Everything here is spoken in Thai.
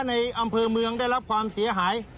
ในอำเภอเมืองได้รับความเสียหาย